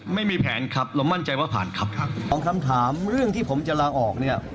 ไม่มีแผนครับเรามั่นใจว่าผ่านครับของคำถามเรื่องที่ผมจะลาออกเนี่ย